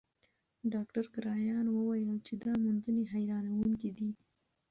ډاکټر کرایان وویل چې دا موندنې حیرانوونکې دي.